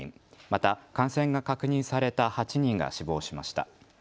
また感染が確認された８人が死亡しました。